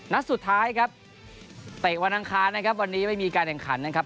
นัดสุดท้ายครับเตะวันอังคารนะครับวันนี้ไม่มีการแข่งขันนะครับ